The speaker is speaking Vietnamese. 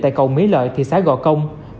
tại cầu mỹ lợi thị xã gò công